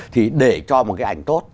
thì để cho một cái ảnh tốt